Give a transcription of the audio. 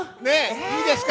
いいですか？